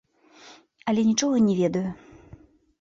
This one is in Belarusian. Але нічога не ведаю.